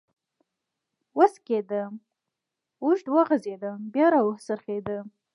و څکېدم، اوږد وغځېدم، بیا را و څرخېدم.